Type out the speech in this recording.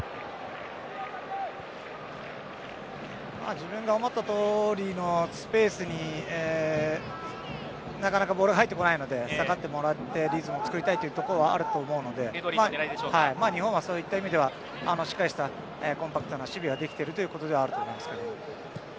自分が思ったとおりのスペースになかなかボールが入ってこないので下がってもらってリズムを作りたいというところはあると思うので日本はそういった意味ではしっかりしたコンパクトな守備ができているということではあると思います。